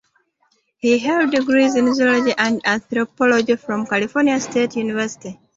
He held degrees in zoology and anthropology from California State University.